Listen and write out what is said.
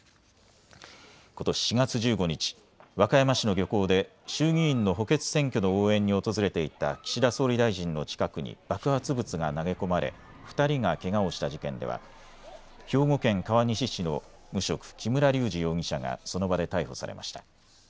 ことし４月１５日、和歌山市の漁港で衆議院の補欠選挙の応援に訪れていた岸田総理大臣の近くに爆発物が投げ込まれ２人がけがをした事件では兵庫県川西市の無職、木村隆二容疑者がその場で逮捕されました。